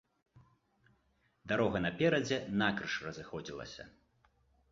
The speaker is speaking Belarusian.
Дарога наперадзе накрыж разыходзілася.